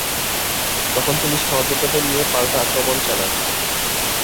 তখন তিনি সহযোদ্ধাদের নিয়ে পাল্টা আক্রমণ চালান।